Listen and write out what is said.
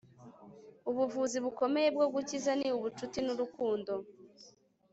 ubuvuzi bukomeye bwo gukiza ni ubucuti n'urukundo